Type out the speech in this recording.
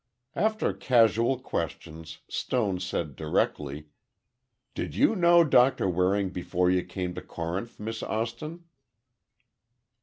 After casual questions, Stone said directly, "Did you know Doctor Waring before you came to Corinth, Miss Austin?"